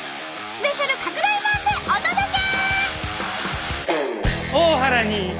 スペシャル拡大版でお届け！